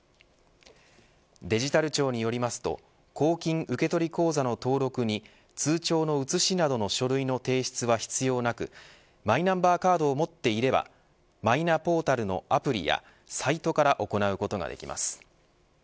デジタル庁によりますと公金受取口座の登録に通帳の写しなどの書類の提出は必要なくマイナンバーカードを持っていればマイナポータルのアプリやサイトから行うことができます。